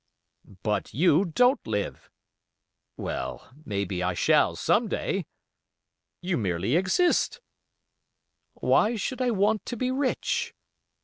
"But you don't live." "Well, maybe I shall some day." "You merely exist." "Why should I want to be rich?"